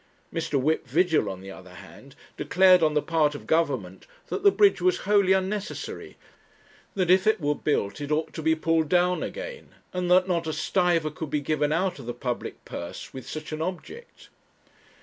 Mr. Whip Vigil, on the other hand, declared on the part of Government that the bridge was wholly unnecessary; that if it were built it ought to be pulled down again; and that not a stiver could be given out of the public purse with such an object.